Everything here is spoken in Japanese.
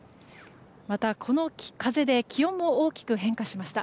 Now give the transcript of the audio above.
またこの風で気温も大きく変化しました。